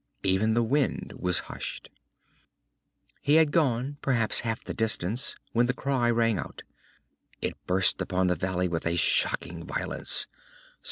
Even the wind was hushed. He had gone perhaps half the distance when the cry rang out. It burst upon the valley with a shocking violence.